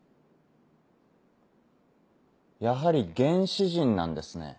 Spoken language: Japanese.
やはり原始人なんですね。